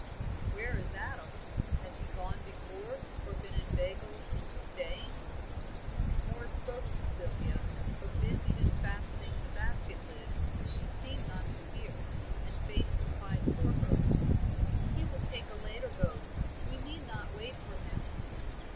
"Where is Adam? Has he gone before, or been inveigled into staying?" Moor spoke to Sylvia, but busied in fastening the basket lid, she seemed not to hear, and Faith replied for her. "He will take a later boat, we need not wait for him."